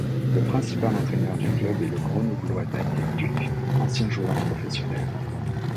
Le principal entraîneur du club est le grenoblois Daniel Duc, ancien joueur professionnel.